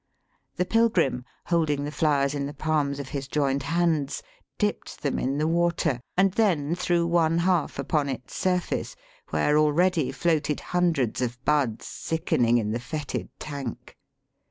The pilgrim, holding the flowers in the palms of his joined hands, dipped them in the water, and then threw one half upon its surface, where already floated hundreds of buds sickening in the fetid tank.